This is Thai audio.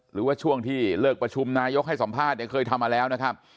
หรือว่าช่วงที่เลิกประชุมนายกให้สัมภาษณ์เนี่ยเคยทำมาแล้วนะครับ